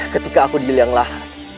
ketika aku diilanglah